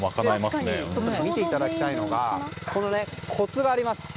見ていただきたいんですがちょっとコツがあります。